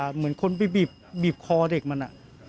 เหมือนคนไปบีบคอเด็กมัน